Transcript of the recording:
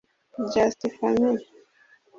Just Family